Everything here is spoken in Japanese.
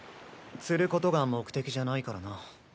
釣ることが目的じゃないからな。